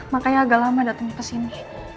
makanya agak lama datangnya kesini